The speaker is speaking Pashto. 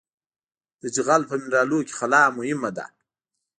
د جغل په منرالونو کې خلا مهمه ده